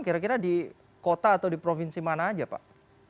kira kira di kota atau di provinsi mana saja pak